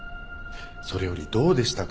それよりどうでしたか？